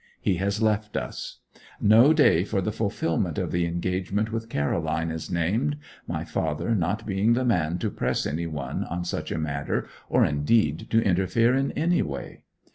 He has left us. No day for the fulfilment of the engagement with Caroline is named, my father not being the man to press any one on such a matter, or, indeed, to interfere in any way.